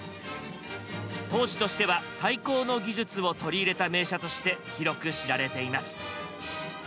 当時としては最高の技術を取り入れた名車として広く知られています。